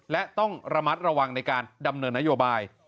และต้องระมัดระวังในการดำเนินนโยบาย